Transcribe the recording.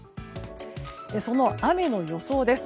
その雨の予想です。